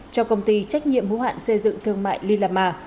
cho công ty trách nhiệm hữu hạn xây dựng thương mại lila ma